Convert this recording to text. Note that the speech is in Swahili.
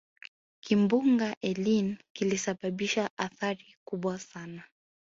kimbunga eline kilisababisha athari kubwa sana